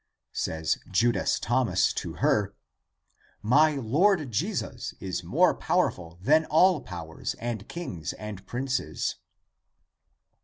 Says Judas Thomas to her, " My Lord Jesus is more powerful than all powers and kings and princes."